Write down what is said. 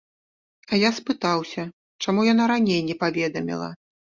А я спытаўся, чаму яна раней не паведаміла.